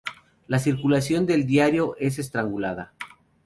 La circulación del diario es estrangulada.